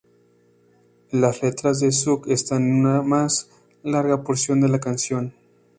Las letras de "Suck" están en una más larga porción de la canción.